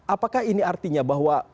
apakah ini artinya bahwa